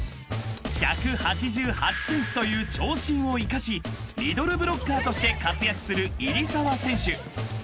［１８８ｃｍという長身を生かしミドルブロッカーとして活躍する入澤選手］